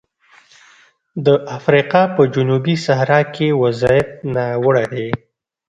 د افریقا په جنوبي صحرا کې وضعیت ناوړه دی.